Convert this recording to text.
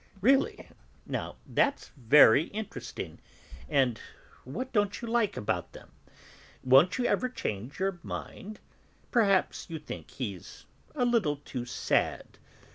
"Really, now; that's very interesting. And what don't you like about them? Won't you ever change your mind? Perhaps you think he's a little too sad.